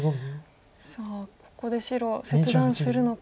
さあここで白切断するのか。